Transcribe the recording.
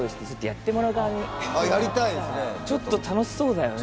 ちょっと楽しそうだよね。